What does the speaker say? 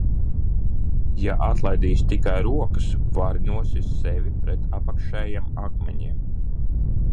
Ja atlaidīsi tikai rokas, vari nosist sevi pret apakšējiem akmeņiem!